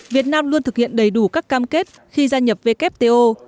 việt nam luôn thực hiện đầy đủ các cam kết khi gia nhập wto